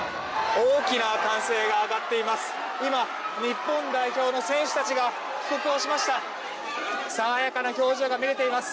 大きな歓声が上がっています。